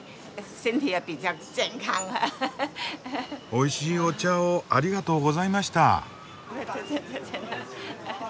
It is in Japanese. おいしいお茶をありがとうございました。